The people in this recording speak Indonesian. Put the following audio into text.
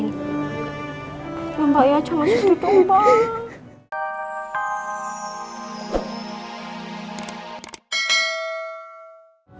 lomba ya cowok itu bumbu